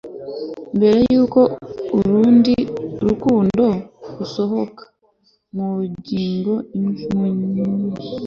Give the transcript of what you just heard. mbere yuko urundi rukundo rusohoka mu bugingo bwe